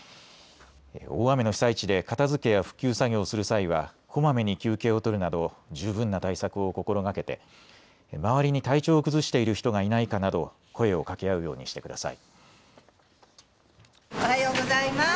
大雨の被災地で片づけや復旧作業をする際はこまめに休憩を取るなど十分な対策を心がけて周りに体調を崩している人がいないかなど声をかけ合うようにしてください。